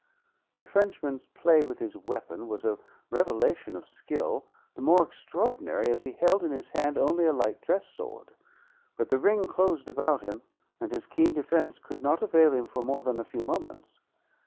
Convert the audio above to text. The Frenchman's play with his weapon was a revelation of skill, the more extraordinary as he held in his hand only a light dress sword. But the ring closed about him, and his keen defense could not avail him for more than a few moments.